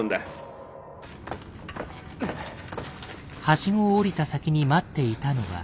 ハシゴを降りた先に待っていたのは。